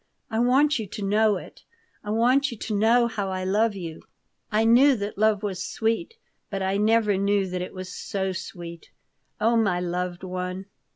I want you to know it. I want you to know how I love you. I knew that love was sweet, but I never knew that it was so sweet. Oh, my loved one!"